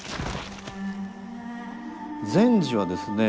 善児はですね